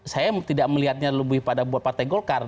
saya tidak melihatnya lebih pada buat partai golkar